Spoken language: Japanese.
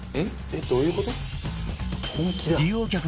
「えっ？どういう事？」